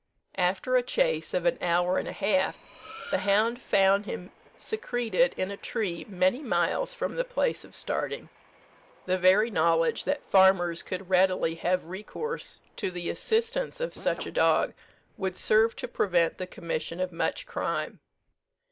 After a chase of an hour and a half, the hound found him secreted in a tree many miles from the place of starting. The very knowledge that farmers could readily have recourse to the assistance of such a dog, would serve to prevent the commission of much crime.